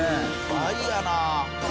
倍やなあ。